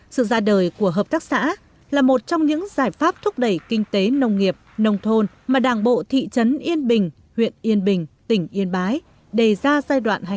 sự ra đời của hợp tác xã là một trong những giải pháp thúc đẩy kinh tế nông nghiệp nông thôn mà đảng bộ thị trấn yên bình huyện yên bình tỉnh yên bái đề ra giai đoạn hai nghìn hai mươi hai nghìn hai mươi năm